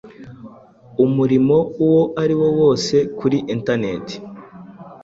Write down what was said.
umurimo uwo ariwo wose kuri enternet